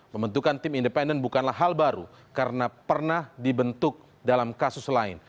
pembentukan tim independen bukanlah hal baru karena pernah dibentuk dalam kasus lain